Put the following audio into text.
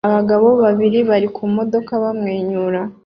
Abagabo babiri bari mu modoka bamwenyura